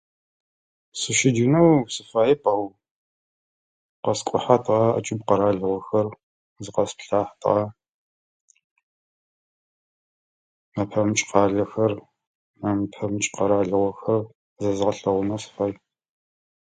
Сыщеджэнэу сыфаеп, ау къэскӏухьэтыгъа ӏэкӏыб къэралыгъохэр, зыкъэсплъахьытыгъа, нэпэмыкӏ къалэхэр, нэмпэмыкӏ къэралыгъохэр зэзгъэлъэгъунэу сыфай.